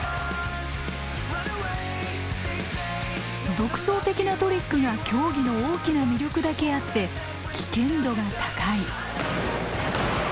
独創的なトリックが競技の大きな魅力だけあって危険度が高い。